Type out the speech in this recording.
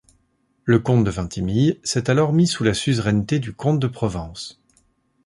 Le comte de Vintimille s'est alors mis sous la suzeraineté du comte de Provence.